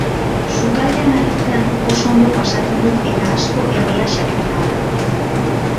Sukaldean aritzean oso ondo pasatzen dut eta asko erlaxatzen nau.